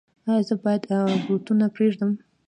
ایا زه باید بروتونه پریږدم؟